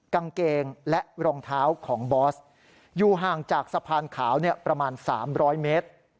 กางเกงและรองเท้าของบอสอยู่ห่างจากสะพานขาวประมาณ๓๐๐เมตร